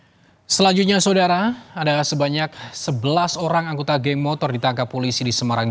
hai selanjutnya saudara ada sebanyak sebelas orang anggota geng motor ditangkap polisi di semarang